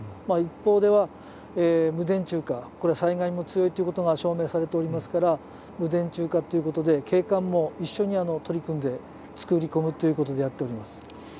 一方では、無電柱化、これは災害に強いことが証明されていますから、無電柱化ということで、景観も一緒に作り込むということでやっております。